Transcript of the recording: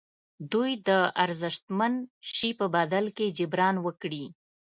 دوی د ارزښتمن شي په بدل کې جبران وکړي.